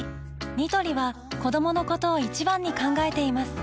ニトリは子どものことを一番に考えています